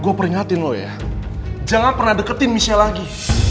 gue peringatin lo ya jangan pernah deketin michelle lagi